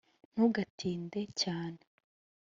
ntugatinde cyane